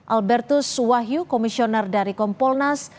albertus wahyu komisioner dari kompolnas